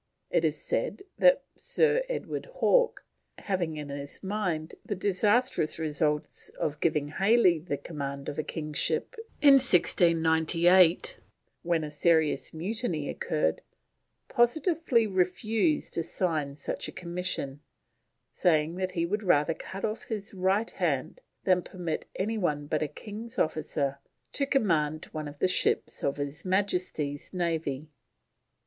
It is said that Sir Edward Hawke, having in his mind the disastrous result of giving Halley the command of a King's ship in 1698, when a serious mutiny occurred, positively refused to sign such a commission, saying that he would "rather cut off his right hand than permit any one but a King's officer to command one of the ships of His Majesty's Navy."